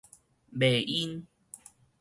迷因